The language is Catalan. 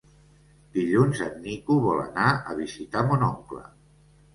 Dilluns en Nico vol anar a visitar mon oncle.